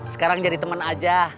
sekarang jadi temen aja